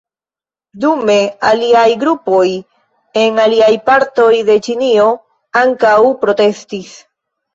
Dume aliaj grupoj en aliaj partoj de Ĉinio ankaŭ protestis.